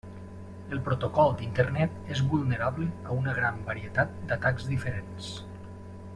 El protocol d'Internet és vulnerable a una gran varietat d'atacs diferents.